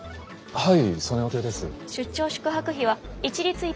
はい。